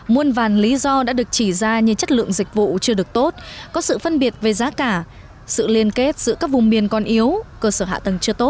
muôn vàn lý do đã được chỉ ra như chất lượng dịch vụ chưa được tốt có sự phân biệt về giá cả sự liên kết giữa các vùng miền còn yếu cơ sở hạ tầng chưa tốt